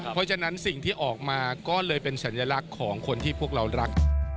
เพราะฉะนั้นสิ่งที่ออกมาก็เลยเป็นสัญลักษณ์ของคนที่พวกเรารัก